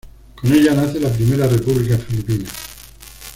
Con ella nace la Primera República Filipina.